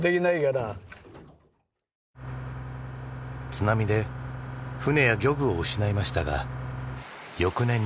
津波で船や漁具を失いましたが翌年に再開。